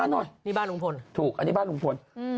หน่อยนี่บ้านลุงพลถูกอันนี้บ้านลุงพล